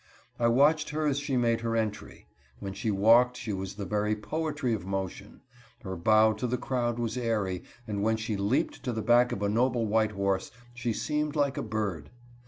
I watched her as she made her entry. When she walked she was the very poetry of motion; her bow to the crowd was airy, and when she leaped to the back of a noble white horse, she seemed like a bird.